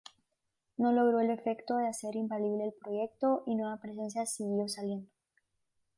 No logró el efecto de hacer inviable el proyecto, y Nueva Presencia siguió saliendo.